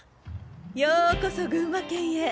ようこそ群馬県へ。